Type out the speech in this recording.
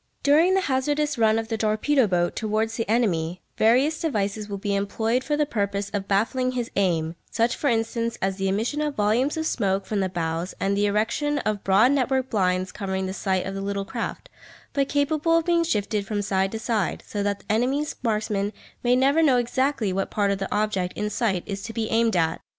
During the hazardous run of the torpedo boat towards the enemy, various devices will be employed for the purpose of baffling his aim, such for instance as the emission of volumes of smoke from the bows and the erection of broad network blinds covering the sight of the little craft, but capable of being shifted from side to side, so that the enemy's marksmen may never know exactly what part of the object in sight is to be aimed at.